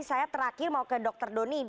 saya terakhir mau ke dr doni